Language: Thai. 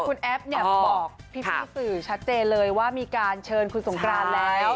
คุณแอฟเนี่ยบอกพี่สื่อชัดเจนเลยว่ามีการเชิญคุณสงกรานแล้ว